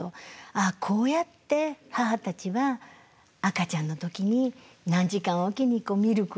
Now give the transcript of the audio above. あこうやって母たちは赤ちゃんの時に何時間置きにミルクをあげて。